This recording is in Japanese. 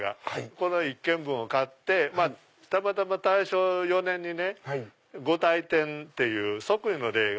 この１軒分を買ってたまたま大正４年に御大典っていう即位の礼が。